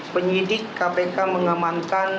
penyidik kpk mengamankan